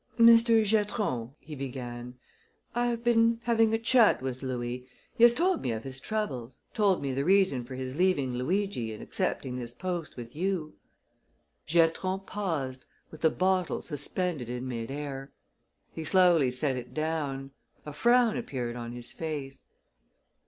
"Mr. Giatron," he began, "I have been having a chat with Louis. He has told me of his troubles told me the reason for his leaving Luigi and accepting this post with you." Giatron paused, with the bottle suspended in mid air. He slowly set it down. A frown appeared on his face.